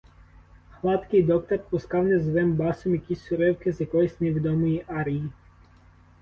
Гладкий доктор пускав низовим басом якісь уривки з якоїсь невідомої арії.